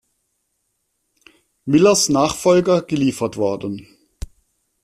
Miller’s Nachfolger geliefert worden.